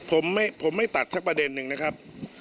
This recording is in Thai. ผมไม่ตัดสักประเด็นหนึ่งนะครับ